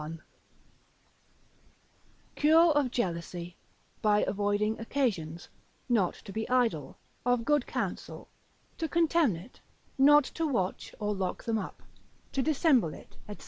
—_Cure of Jealousy; by avoiding occasions, not to be idle: of good counsel; to contemn it, not to watch or lock them up: to dissemble it, &c.